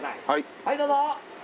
はいどうぞ！